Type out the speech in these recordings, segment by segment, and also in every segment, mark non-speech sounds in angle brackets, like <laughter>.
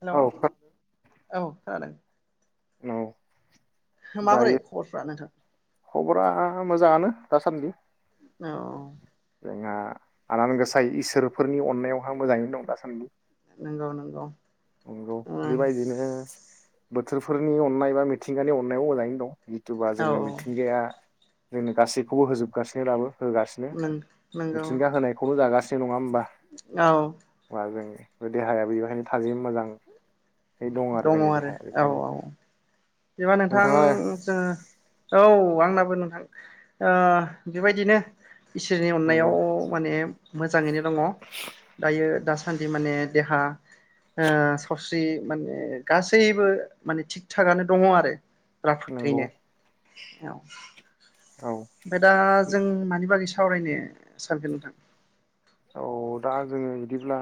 hello औ औ खोनादों औ माबोरै दायो खबरफ्रा नोंथां खबरा मोजाङानो दासान्दि औ जोंहा आनान गोसाय इसोरफोरनि अननायावहा मोजाङैनो दं दासान्दि नंगौ नंगौ नंगौ उम बेबायदिनो बोथोरफोरनि अननाय बा मिथिंगानि अननायाव मोजाङैनो दं जुटुबा औ जोंनो मिथिंगाया जोंनो गासैखौबो होजोबगासिनो दाबो होगासिनो नों नंगौ मिथिंगा होनायखौबो जा जागासि नङा होमबा औ बा जों देहाया बेहायनो थाजिम मोजां दङ आरो औ औ बेबा नोंथां नोंथाङालाय जों औ आंनाबो नोंथां ओ बेबायदिनो इसोरनि अननायाव नंगौ माने मो जाङैनो दङ दायो दा सान्दि माने देहा ओ सावस्रि माने गासैबो माने थिग थागानो दङ आरो नंगौ राफोदथैनो औ औ ओमफाय दा जों मानि बागै सावरायनो सानखो नोंथां औ दा जोङो बिदिब्ला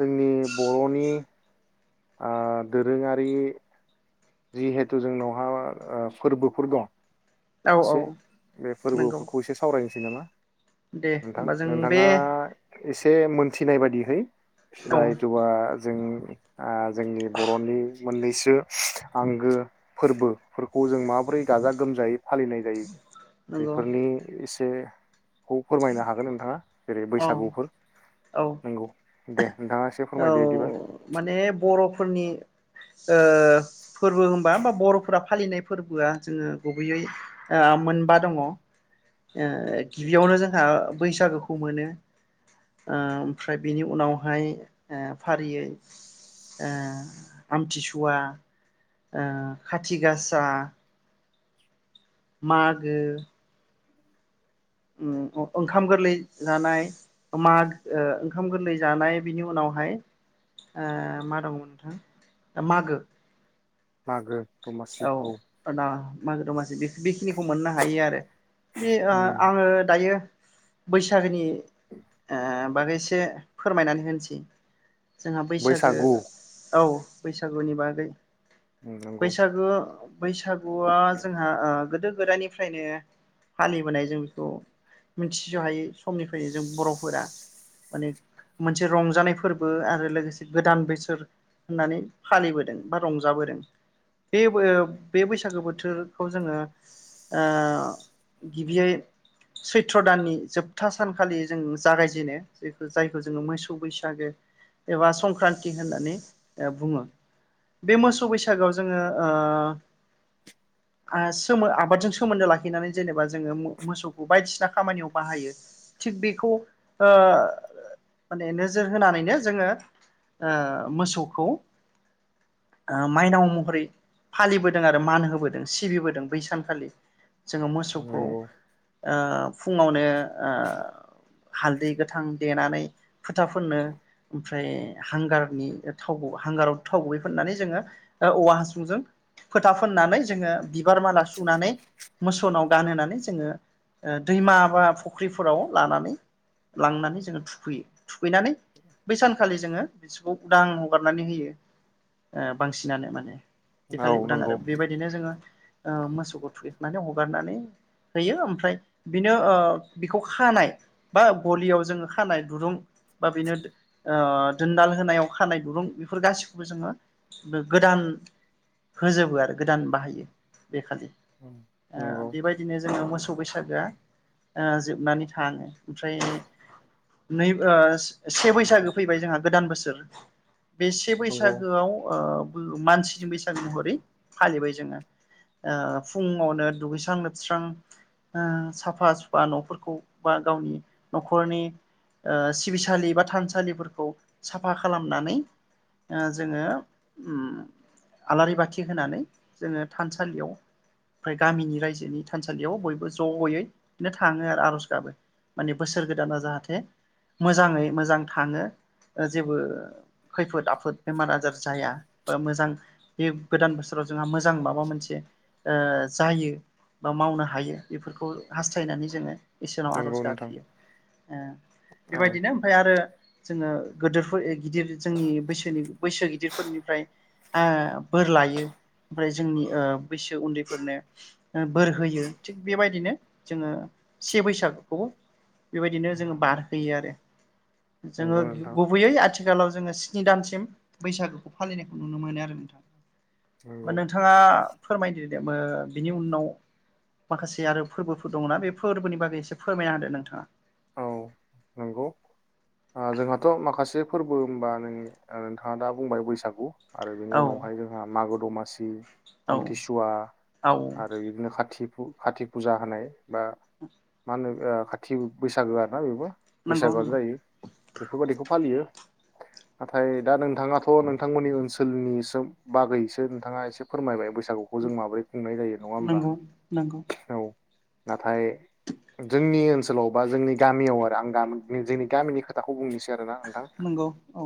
जोंनि बर'नि आ दोरोङारि जिहेथु जोंनावहा ओ फोरबोफोर दं औ एसे औ बे नंगौ फोरबोफोरखौ एसे सावरायनोसै <unintelligible> दे नोंथां होमबा जों बे नोंथाङा एसे मोनस फिनाय बाददिहै औ फिबा एथबा जों ओ जोंनि बर'नि मोननैसो आंगो फोरबोफोरखौ जों माबोरै गाजा गोमजायै फालिनाय जायो नंगौ बेफोरनि इसे जे खौ फोरमायनो हागोन नोंथाङा जेरै औ बैसागुफोर औ नोंगौ दे नोंथाङा एसे फोरमायदो बिदिबा औ माने बर'फोरनि ओ फोरबो होनबा बा बर'फोरा फालिनाय फोरबोआ जोङो गुबैयै ओ मोनबा दङ ओ गिबियावनो जों हा बैसागोखौ मोनो ओमफ्राय बिनि उनावहाय फारियै ओ आमथिसुवा ओ खाथि गासा मागो ओम अ ओंखाम गोरलै जानाय अ माग ओंखाम गोरलै जानाय बिनि उनावहाय मा दङमोन नोंथां ओ मागो मागो औ <unintelligible> मागो दमासि बे बिखिनिखौ मोननो हायो आरो बे ओ उम आङो दायो बैसागोनि ओ बागैसे फोरमायनानै होनसै जोंहा बैसागो बैसागु औ बैसागुनि बागै नोंगौ अ बैसागुआ जोंहा ओ गोदो गोदायनिफ्रायनो फालिबोनाय जों बेखौ मिथिस' हायै समनिफ्रायनो जों बर'फोरा माने मोनसे रंजानाय फोरबो आरो लोगोसे गोदान बोसोर होननानै फालिबोदों बा रंजाबोदों बे बो बे बैसागो बोथोरखौ जोङो ओ गिबियै सैथ्र' दाननि जोबथा सानखालि जों जागायजेनो जायखौ जोङो मोसौ बैसागो एबा संक्रान्ति होननानै बुङो बे मोसौ बैसागोआव जोङो ओ आ सो आबादजों सोमोन्दो लाखिनानै जेनेबा जोङो मोसौखौ बायदिसिना खामानियाव बाहायो थिग बेखौ माने ओ नोजोर होनानैनो जोङो मोसौखौ ओ माइनाव महरै फालिबोदों आरो मान होबोदों सिबिबोदों बैसानखालि जोङो मोसौखौ नंगौ ओ फुङावनो ओ हालदै गोथां देनानै फोथा फोननो ओमफ्राय हांगारनि थाव हांगाराव थाव गुबै फोननानै जोङो औवा हासुंजों फोथा फोननानै जोङो बिबार माला सुनानै मोसौनाव गानहोनानै जोङो ओ दैमा बा फख्रिफोराव लानानै लांनानै जोङो थुखैयो थुखैनानै बै सानखालि जोङो बिसोरखौ उदां हगारनानै होयो ओ बांसिनानो माने बे खालि औ उदां नंगौ आरो बेबायदिनो जोङो ओ मोसौखौ थुखनानै हगा हगारनानै होयो ओमफ्राय बिनो ओ बेखौ खानाय बा गलियाव जोङो खानाय दुरुं बा बेनो दो दोनदाल होनायाव खानाय दुरुं बेफोर गासिखौबो जोङो गोदान होजोबो आरो गोदान बाहायो बेखालि ओ नंगौ बेबायदिनो जोङो मोसौ बैसागोआ ओ जोबनानै थाङो ओमफ्राय नै ओ से बैसागो फैबाय जोंहा गोदान बोसोर बे से नंगौ बैसागोआव ओ ओ मानसिजोंबो एसे गोदान महरै फालिबाय जोङो ओ फुङावनो दुगैस्रां लोबस्रां ओ साफा सुफा न'फोरखौ बा गावनि न'खरनि ओ सिबिसालि बा थानसालिफोरखौ साफा खालामनानै ओ जोङो ओम आलारि बाथि होनानै जोङो थानसालियाव ओमफाय गामिनि रायजोनि थानसालियाव बयबो ज'यै बिदिनो थाङो आरो आर'ज गाबो माने बोसोर गोदाना जाहाथे मोजाङै मोजां थाङो जेबो खैफोद आफोद बेमार आजार जाया बा मोजां बे गोदान बोसोराव जोंहा मोजां माबा मोनसे ओ जायो बा मावनो हायो बेफोरखौ हास्थायनानै जोङो इसोरनाव आर'ज नंगौ नोंथां गाबहैयो औ बेबायदिनो ओमफ्राय आरो जोङो गोदोरफोर गिदिर जोंनि बैसोनि बैसो गिदिरफोरनिफ्राय ओ बोर लायो ओमफ्राय ओ जोंनि बैसो उन्दैफोरनो बोर होयो थिग बेबायदिनो जोङो से बैसागुखौ बेबायदिनो जोङो बारहोयो आरो नंगौ जोङो नोंथां गुबैयै आथि आथिखालाव जोङो स्नि दानसिम बैसागुखौ फालिनायखौ नुनो मोनो आरो नोंथां नंगौ नोंथाङा फोरमायदों दे ओ बिनि उनाव माखासे आरो फोरबोफोर दङना बे फोरबोनि बागै एसे फोरमायना होदो नोंथाङा औ नंगौ जोंहाथ' माखासे फोरबो होमबा नों नोंथाङा दा बुंबाय बैसागु आरो बेनि औ उनावहाय जोंहा मागो दं दमासि औ आमथिसुवा औ आरो बिदिनो खाथि खाति फुजा होनाय बा मा होनो ओ खाथि बैसागो आरोना बेबो नंगौ बैसागुआ नंगौ जायो बेफोर बायदिखौ फालियो नाथाय दा नोंथाङाथ' नोंथांमोननि ओनसोलनिसो बागैसो नोंथाङा एसे फोरमायबाय बैसा बैसागुखौ जों माबोरै खुंनाय जायो नङा होमबा नंगौ नंगौ औ नाथाय जोंनि ओनसोल ओनसोलाव बा जोंनि गामियाव आरो आं गामि नि जोंनि गामिनि खोथाखौ बुंनोसै आरो ना नोंथां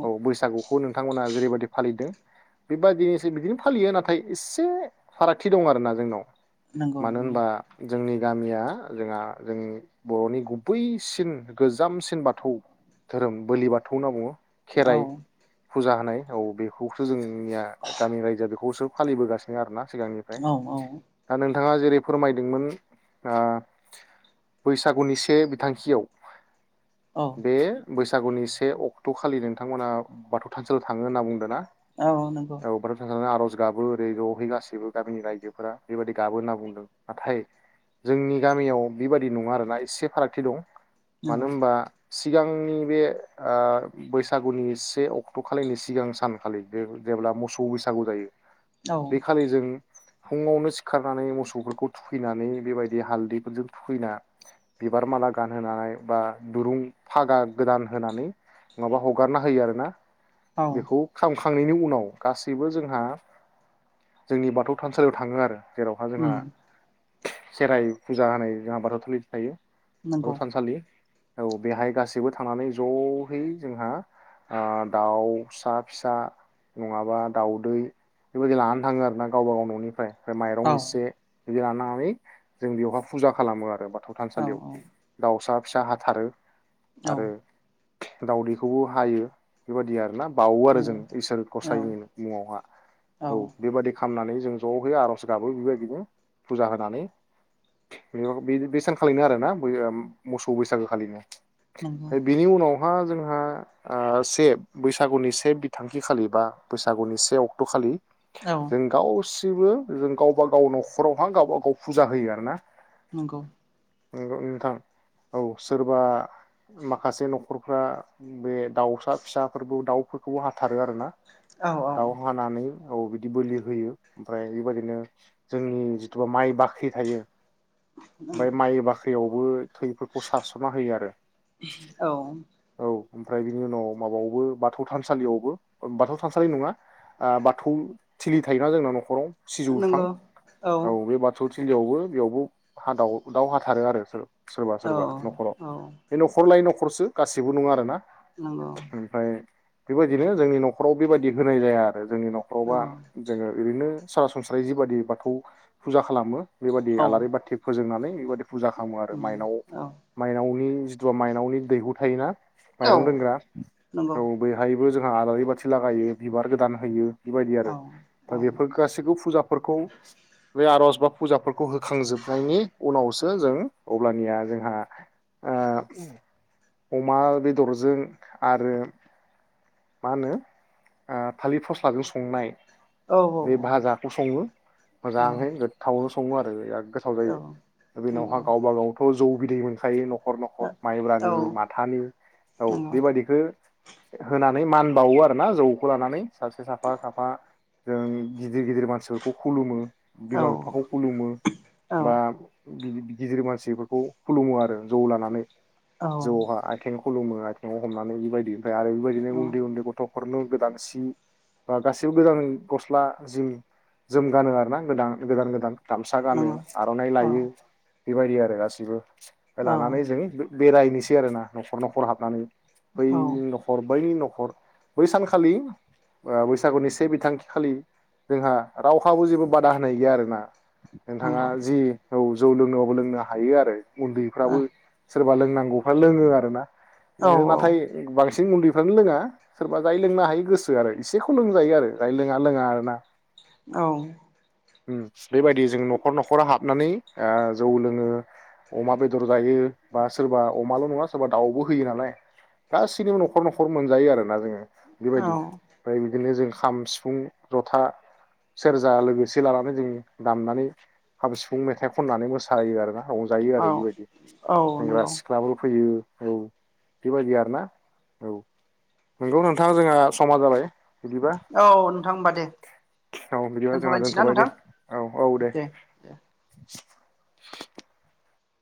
औ बैसागुखौ नोंथांमोना जेरैबायदि फालिदों बेबादि बिदिनो फालियो नाथाय एसे फारागथि दं आरोना जोंनाव नंगौ मानो नंगौ होनबा जोंनि गामिया जोंहा जोंनि बर'नि गुबैसिन गोजामसिन बाथौ धोरोम बोलि बाथौ होनना बुङो औ खेराइ फुजा होनाय औ बेखौसो जों निया गामि रायजोआ बेखौसो फालिबोगासिनो आरो ना सिगांनिफ्राय औ औ दा नों थाङा जेरै फोरमायदोंमोन आ बैसागुनि से बिथांखियाव औ बे बोस सागुनि से अक्ट' खालि नोंथांमोना बाथौ थानसालिआव थाङो होनना बुंदों ना औ नंगौ <unintelligible> आरज जु गाबो ओरै ज आवहाय गासैबो गामिनि रायजोफोरा बेबायदि गाबो होनना बुंदों नाथाय जोंनि गामियाव बेबायदि नङा आरोना एसे फारागथि दं नंगौ मानो होमबा सिगांनि बे ओ बैसागुनि से अक्ट' खालिनि सिगां सानखालि बे जेब्ला मोसौ बैसागु जायो औ बे खालि जों फुङावनो सिखारनानै मोसौफोरखौ थुखैनानै बेबायदि हालदैफोरजों थुखैना बिबार माला गानहोनानै बा दुरुं फागा गोदान होनानै माबा हगारना होयो आर ना औ बेखौ खामखा थांनायनि उनाव गासैबो जोंहा जोंनि बाथौ थानसालियाव थाङो आरो जेरावहा जोंहा उम खेराइ फुजा होनाय जोंहा बाथौ थालि खिथायो नंगौ ब सानसालि औ बेहाय गासैबो थांनानै जहै जोंहा ओ दाउसा फिसा नङाबा दाउदै बेबायादि लानानै थाङो आरना गावबा गाव न'निफ्राय फ्राय माइरं औ इसे बिदि लानानानै जों बेवहा फुजा खालामो आरो बा थौ औ थानसालियाव औ दाउसा फिसा हाथारो औ आरो दावदैखौबो हायो बेबायदि आरोना बावो आरो जों नंगौ इसोर औ गसाइनि मुङावहा औ बेबादि खामनानै जों ज' होइ आर'ज गाबो बेबायदिनो फुजा होनानै <unintelligible> बेसानखालिनो आरोना बै ओ मोसौ बैसागो खालिनो नंगौ फाय बिनि उनाव हा जोंहा ओ से बैसागुनि से बिथांखि खालि बा बैसागुनि से अक्ट' खालि औ जों गावस सिबो जों गावबा गाव न'खरावहा गावबा गाव फुजा होयो आरो ना नंगौ नंगौ नोंथां औ सोरबा माखासे न'खरफ्रा बे दाउसा फिसाफोरखौ दाउफोरखौबो हाथारो आरो ना औ दाउ हानानै औ बिदि बोलि होयो ओमफ्राय बेबायदिनो जोंनि जिथुबा माइ बाख्रि थायो औ ओमफाय माइ बाख दैयावबो थैफोरखौ सारस'ना होयो आरो औ ओमफ्राय बिनि उनाव माबायावबो बाथौ थानसालियावबो बाथौ थानसालि नङा बाथौ थिलि थायोना जोंना न'खराव सिजौ बिफां नंगौ औ बे बाथौ थिलियावबो बेयावबो हा दाउ दाउ हाथारो आरो बिसोर सोरबा सोरबा औ न'खराव औ बे न'खर लायै न'खर न'खरसो गासिबो नङा आरो ना नंगौ बेबायदिनो जोंनि न'खराव बेबायदि होनाय जाया आरो जोंनि औ न'खरावबा जोङो ओरैनो सरासनस्रायै जिबायादि बाथौ फुजा खालामो बेबायदि औ आलारि बाथि फोजोंनानै बेफोर बादि फुजा खालामो आरो उम मायनाव औ माइनावनि जिथुवा माइनावनि दैहु थायोना माइरं औ दोनग्रा नंगौ औ बेहायबो जों जोंहा आलारि बाथि लागायो बिबार गोदान होयो बेबायदि औ आरो दा बेफोर गासैबो फुजाफोरखौ बे आर'ज बा फुजाफोरखौ होखांजोबनायनि उनावसो जों अब्लानिया जोंहा ओ अमा बेदरजों आरो मा होनो ओ थालिर फस्लाजों संनाय औ बे भाजाखौ सङो औ मोजांहै गोथाव सङो आरो याक गोथाव औ जायो बेनावहा नंगौ थ' जौ बिदै मोनखायो न' न'खर औ न'खर माइब्रानि माथानि औ नंगौ बेबायदिखो होनानै मान बावो आरो ना जौखौ लानानै साबसे साफा साफा जों गिदिर गिदिर मानसिफोरखौ खुलुमो औ बिमा बिफाखौ खुलुमो औ बा बिदि बिद गिदिर मानसिफोरखौ खुलुमो आरो ज' लानानै औ ज हा आइथेंयाव खुलुमो आथिङाव हमनानै बेबायदि ओमफ्राय आरो बेबायदिनो उन्दै उन्दै गथ' हरनो गोदान सि बा गासिबो गोदान गस्ला जि जोम गानो आरो ना गोदान गोदान गोदान गामसा गानो नंगौ आर'नाइ औ लायो बेबायदि आरो गासैबो औ लानानै जोङो लु बेरायनोसै आरोना न'खर न'खर हाबनानै बैनि न'खर बै न' न'खर बै सानखालि बैसागुनि से बिथांखि खालि जोंहा रावहाबो जेबो बादा होनाय गैया आरोना नोंथाङा नंगौ जि औ जौ लोंनोयाव लोंनो हायो आरो औ उन्दैफ्राबो सोरबा लोंनांगौफ्रा लोङो आरोना इनो औ नाथाय बांसिन जों उन्दैफ्रानो लोङा सोरबा जाय लोंनो हायो गोसो आरो इसेखौ लोंजायो आरो जाय लोङा लोङा आरोना औ ओम बेबायदि जों न'खर न'खरा हाबनानै ओ जौ लोङो अमा बेदर जायो बा सोरबा अमाल' नङा सोरबा दाउबो होयो नालाय गासैनिबो न'खर न'खर मोनजायो आरोना जोङो बेबायदि ओमफ्राय बिदिनो जों खाम सिफुं जथा सेरजा लोगोसे लानानै जों दामनानै खाम सिफुं मेथाइ खननानै मोसा सायो आरो ना रंजायो औ आरो बेबायदि औ सेंग्रा नंगौ सिख्लाबो फैयो औ बेबायदि आरोना औ नंगौ नोंथाङा जोंहा समा जाबाय बिदिबा औ नोंथां होमबा दे औ बिदिबा जोंहा दोनथ'लायनोसै ना दोनथ'बाय दे नोंथां औ औ दे <unintelligible>